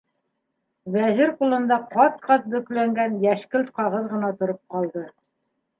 Вәзир ҡулында ҡат-ҡат бөкләнгән йәшкелт ҡағыҙ ғына тороп ҡалды.